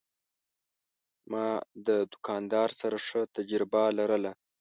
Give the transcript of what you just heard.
ما د دوکاندار سره ښه تجربه لرله.